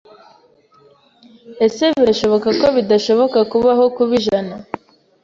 Ese birashoboka ko bidashoboka kubaho kuba ijana?